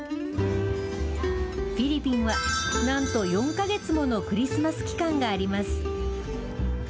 フィリピンはなんと４か月ものクリスマス期間があります。